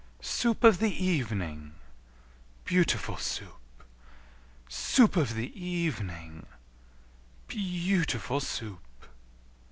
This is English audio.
Soup of the evening, beautiful Soup! Soup of the evening, beautiful Soup!